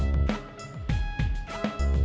tidak tidak tidak